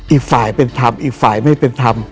อีฝ่ายเป็นทำอีฝ่ายไม่เป็นทำ